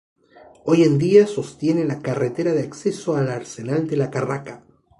Hoy en día sostiene la carretera de acceso al arsenal de la Carraca.